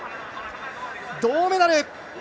銅メダル。